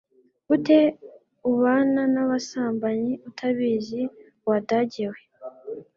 Gute ubana nabasambanyi utabazi wadagewe